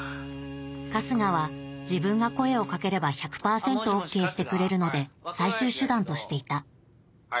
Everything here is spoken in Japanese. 春日は自分が声を掛ければ１００％ＯＫしてくれるので最終手段としていた若林だけど。